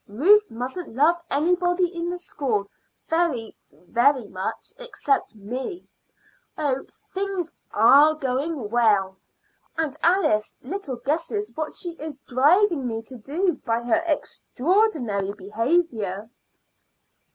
Ruth mustn't love anybody in the school very, very much except me. Oh, things are going well, and Alice little guesses what she is driving me to by her extraordinary behavior."